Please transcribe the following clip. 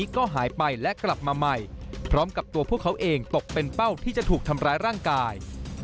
การทำร้ายร่างกาย